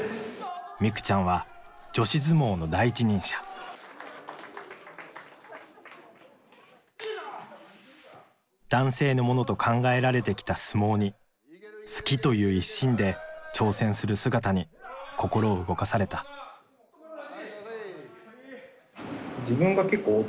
未久ちゃんは女子相撲の第一人者男性のものと考えられてきた相撲に好きという一心で挑戦する姿に心を動かされたあ